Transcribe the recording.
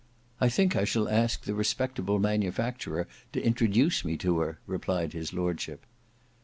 "I think I shall ask the respectable manufacturer to introduce me to her," replied his lordship.